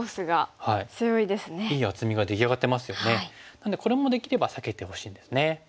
なのでこれもできれば避けてほしいんですね。